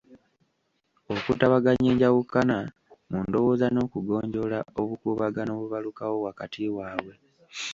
Okutabaganya enjawukana mu ndowooza n'okugonjoola obukuubagano obubalukawo wakati waabwe.